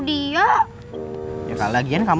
nanti mam mbak bakal kaburkan kamu